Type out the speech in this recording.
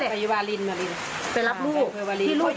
ไปรับลูกที่ลูกเรียนมันสื่ออย่างไร